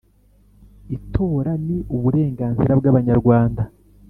Itora ni uburenganzira bw’abanyarwanda